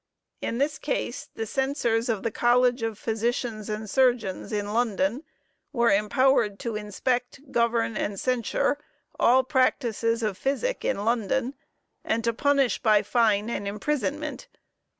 In this case, the Censors of the College of Physicians and Surgeons, in London, were empowered to inspect, govern and censure, all practices of physic in London and to punish by fine and imprisonment.